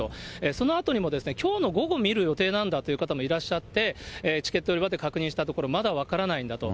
そのあとにもきょうの午後、見る予定なんだという方もいらっしゃって、チケット売り場で確認したところ、まだ分からないんだと。